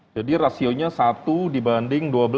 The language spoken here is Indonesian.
jadi rasionya satu dibanding dua belas